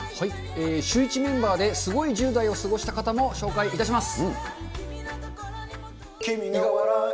シューイチメンバーですごい１０代を過ごした方を紹介いたします。